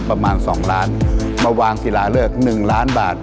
ตอนนั้นมีเงินประมาณ๒ล้านมาวางศิลาเลิก๑ล้านบาท